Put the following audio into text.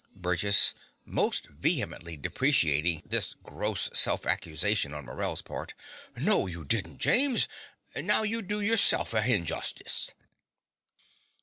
BURGESS (most vehemently deprecating this gross self accusation on Morell's part). No, you didn't, James. Now you do yourself a hinjustice.